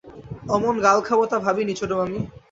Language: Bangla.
অমন গাল খাব তা ভাবিনি ছোটমামি।